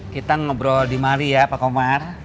kita ngobrol di mali ya pak komar